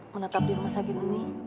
menetap di rumah sakit ini